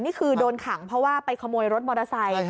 นี่คือโดนขังเพราะว่าไปขโมยรถมอเตอร์ไซค์